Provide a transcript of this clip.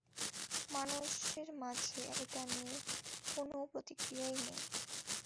মানুষের মাঝে এটা নিয়ে কোনও প্রতিক্রিয়াই নেই!